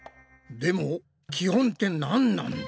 でも基本ってなんなんだ？